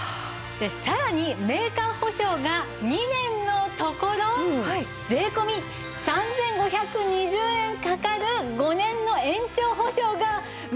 でさらにメーカー保証が２年のところ税込３５２０円かかる５年の延長保証が無料！